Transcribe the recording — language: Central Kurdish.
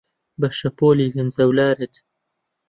بە شەپۆلی لەنجەولارت